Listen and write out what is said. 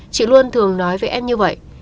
chị luôn thường nói với em như vậy